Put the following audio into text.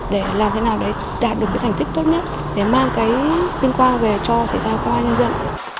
để làm thế nào để đạt được cái thành tích tốt nhất để mang cái viên quang về cho thầy gia công an nhân dân